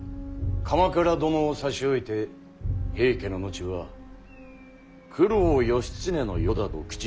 鎌倉殿を差し置いて平家の後は九郎義経の世だと口にする者も。